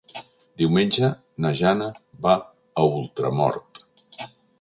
Diumenge na Jana va a Ultramort.